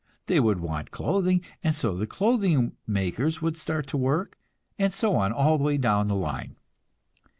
They would want clothing, and so the clothing makers would start to work; and so on all the way down the line.